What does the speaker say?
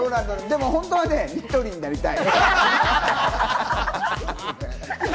でも本当はニトリになりたい。